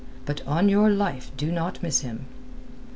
But on your life do not miss him."